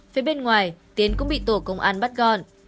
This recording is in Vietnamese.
phía bên ngoài tiến cũng bị tổ công an bắt gọn